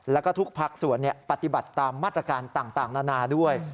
แล้วก็ทุกภาคส่วนปฏิบัติตามมาตรการต่างนานาด้วย